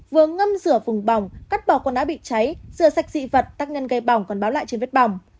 vừa ngâm rửa vùng bỏng cắt bỏ quần áo bị cháy rửa sạch dị vật tác nhân gây bỏng còn báo lại trên vết bỏng